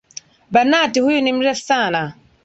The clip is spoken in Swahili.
Banati huyu ni mrefu sana.